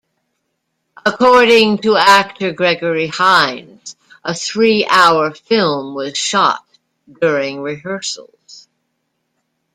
According to actor Gregory Hines, a three-hour film was shot during rehearsals.